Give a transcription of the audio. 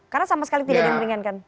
karena sama sekali tidak di meringankan